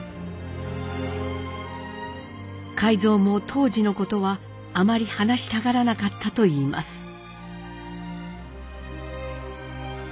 海蔵も当時のことはあまり話したがらなかったといいます。